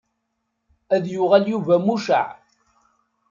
Ad yuɣal Yuba mucaɛ.